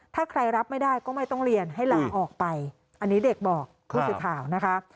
ถ้าใครรับไม่ได้ก็ไม่ต้องเรียนให้ลาออกไปอันนี้เด็กบอกผู้สื่อข่าวนะคะ